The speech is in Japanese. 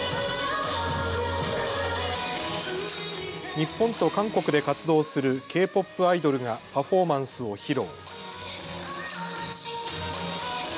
日本と韓国で活動するＫ−ＰＯＰアイドルがパフォーマンスを披露。